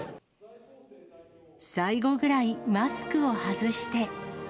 最後ぐらい、マスクを外して。